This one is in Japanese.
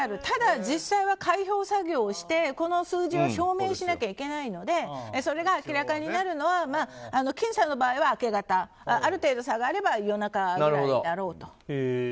ただ実際は開票作業をして数字を証明しなきゃいけないのでそれが明らかになるのは僅差の場合は明け方ある程度差があれば夜中ぐらいだろうと。